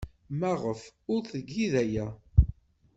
Maɣef ur tgid aya?